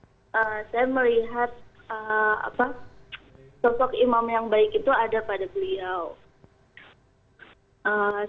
yang pertama saya melihat topok imam yang baik itu ada pada beliau